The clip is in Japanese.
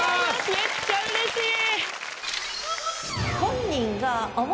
めっちゃうれしい。